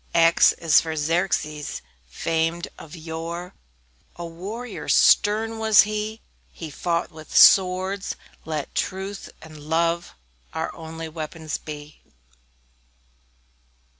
X X is for Xerxes, famed of yore; A warrior stern was he He fought with swords; let truth and love Our only weapons be.